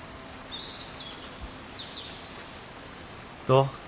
どう？